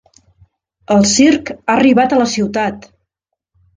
El circ ha arribat a la ciutat!.